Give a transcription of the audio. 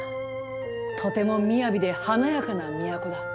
とても雅で華やかな都だ。